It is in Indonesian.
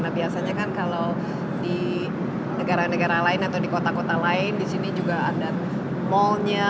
nah biasanya kan kalau di negara negara lain atau di kota kota lain di sini juga ada mallnya